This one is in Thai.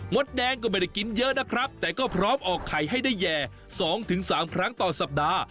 ดแดงก็ไม่ได้กินเยอะนะครับแต่ก็พร้อมออกไข่ให้ได้แห่๒๓ครั้งต่อสัปดาห์